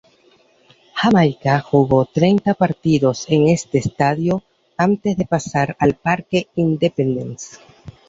Jamaica jugó treinta partidos en este estadio antes de pasar al Parque Independence.